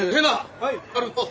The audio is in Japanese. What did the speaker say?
はい。